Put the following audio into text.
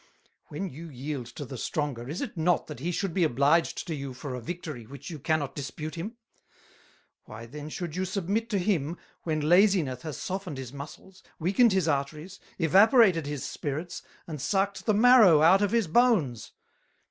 When you yield to the Stronger, is it not that he should be obliged to you for a Victory which you cannot Dispute him? Why then should you submit to him, when Laziness hath softened his Muscles, weakened his Arteries, evaporated his Spirits, and suckt the Marrow out of his Bones?